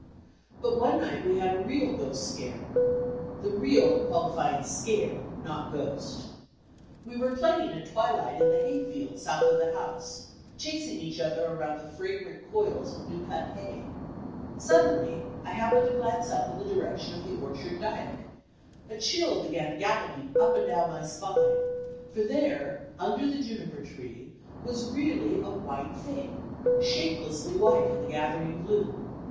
But, one night we had a real ghost scare the "real" qualifying "scare," not "ghost." We were playing at twi light in the hayfield south of the house, chasing each other around the fragrant coils of new cut hay. Suddenly I hap pened to glance up in the direction of the orchard dyke. A chill began galloping up and down my spine, for there, under the juniper tree, was really a "white thing," shape lessly white in the gathering gloom.